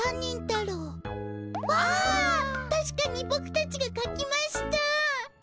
たしかにボクたちが書きました。